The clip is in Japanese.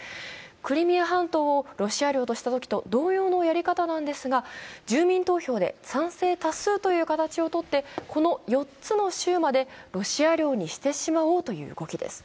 クリミア半島をロシア領としたときと同様のやり方なんですが住民投票で賛成多数という形をとってこの４つの州までロシア領にしてしまおうという動きです。